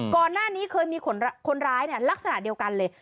ก่อนหน้านี้เคยมีคนร้ายลักษณะเดียวกันเลย